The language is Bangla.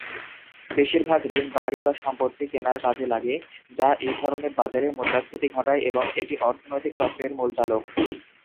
বেশিরভাগ ঋণ, বাড়ি বা সম্পত্তি কেনার কাজে লাগে যা এইধরনের বাজারে মুদ্রাস্ফীতি ঘটায় এবং এটি অর্থনৈতিক চক্রের মূল চালক।